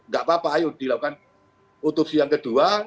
gak apa apa ayo dilakukan otopsi yang kedua